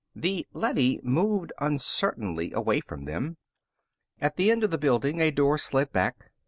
The leady moved uncertainly away from them. At the end of the building, a door slid back.